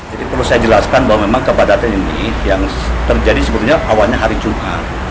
jadi perlu saya jelaskan bahwa memang kepadatan ini yang terjadi awalnya hari jumat